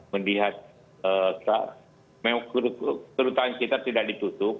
melihat kedutaan kita tidak ditutup